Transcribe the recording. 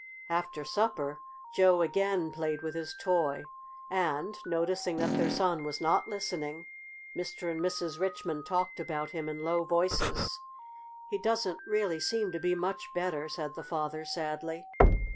After supper Joe again played with his toy, and, noticing that their son was not listening, Mr. and Mrs. Richmond talked about him in low voices. "He doesn't really seem to be much better," said the father sadly.